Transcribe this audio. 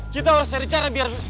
kita harus cari cara biar